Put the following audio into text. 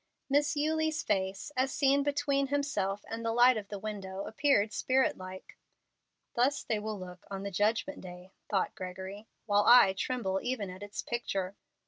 Miss Eulie's face, as seen between himself and the light of the window, appeared spirit like. "Thus they will look on the Judgment Day," thought Gregory, "while I tremble even at its picture.